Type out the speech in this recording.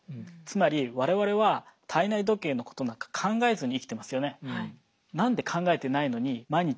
つまりわれわれは体内時計のことなんか考えずに生きてますよね。